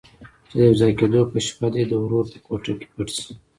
چې د يوځای کېدو په شپه دې د ورور په کوټه کې پټ شه.